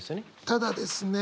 ただですね